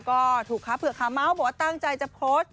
ก็ถูกครับเผื่อคำม้าวบอกว่าตั้งใจจะโพสต์